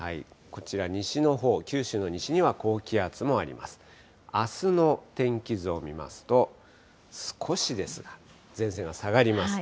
こちら、西のほう、九州の西には高気圧もあります。